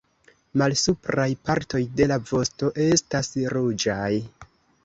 Malsupraj partoj de la vosto estas ruĝaj.